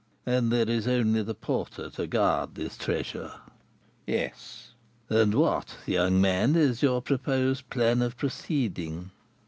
"And there is only the porter to guard this treasure?" "Yes." "And what, young man, is your proposed plan of proceeding?"